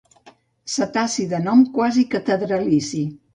Cetaci de nom quasi catedralici.